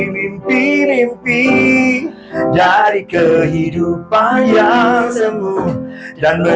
kalau lu subscribe kami jako sepolnya